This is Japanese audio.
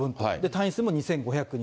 隊員数も２５００人と。